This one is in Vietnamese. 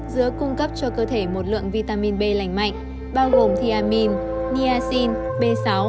dứa cung cấp cho cơ thể một lượng vitamin b lành mạnh bao gồm thiamin niacin b sáu